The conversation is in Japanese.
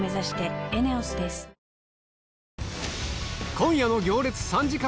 今夜の『行列』３時間